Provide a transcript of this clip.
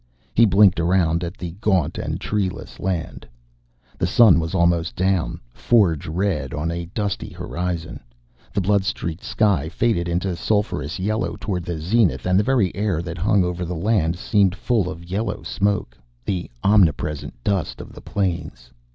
He blinked around at the gaunt and treeless land. The sun was almost down, forge red on a dusty horizon. The blood streaked sky faded into sulphurous yellow toward the zenith, and the very air that hung over the land seemed full of yellow smoke, the omnipresent dust of the plains.